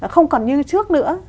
không còn như trước nữa